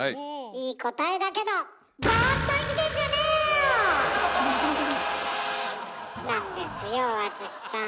いい答えだけどなんですよ敦さん。